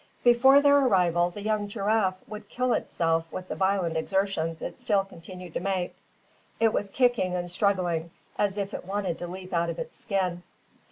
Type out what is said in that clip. Before their arrival, the young giraffe would kill itself with the violent exertions it still continued to make. It was kicking and struggling as if it wanted to leap out of its skin.